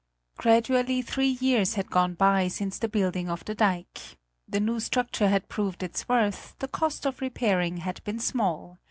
Gradually three years had gone by since the building of the dike. The new structure had proved its worth, the cost of repairing had been small.